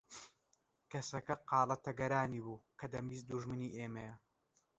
کەسەکە قالە تەگەرانی بوو کە دەمبیست دوژمنی ئێمەیە